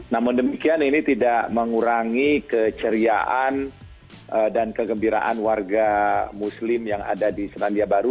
namun demikian ini tidak mengurangi keceriaan dan kegembiraan warga muslim yang ada di selandia baru